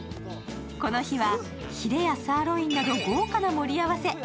この日はヒレやサーロインなど豪華な盛り合わせ。